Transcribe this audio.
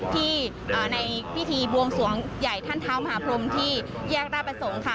ที่ในพิธีบวงสวงใหญ่ท่านเท้ามหาพรมที่แยกราชประสงค์ค่ะ